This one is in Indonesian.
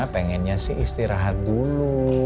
pengennya sih istirahat dulu